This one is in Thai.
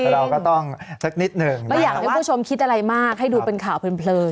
เราก็ต้องสักนิดหนึ่งไม่อยากให้ผู้ชมคิดอะไรมากให้ดูเป็นข่าวเพลิน